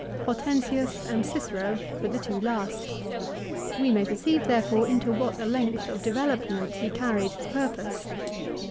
Hortensius and Cicero were the two last. We may perceive therefore into what a length of development he carried his purpose